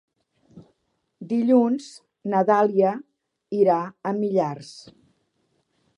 Dilluns na Dàlia irà a Millars.